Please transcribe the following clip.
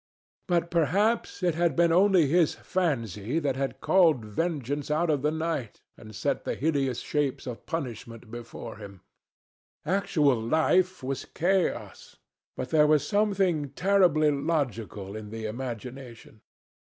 But perhaps it had been only his fancy that had called vengeance out of the night and set the hideous shapes of punishment before him. Actual life was chaos, but there was something terribly logical in the imagination.